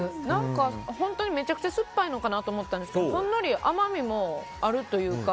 本当にめちゃくちゃすっぱいのかなと思ったんですけどほんのり甘みもあるというか。